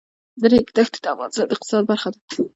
د ریګ دښتې د افغانستان د اقتصاد برخه ده.